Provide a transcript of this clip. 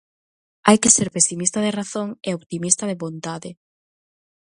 Hai que ser pesimista de razón e optimista de vontade.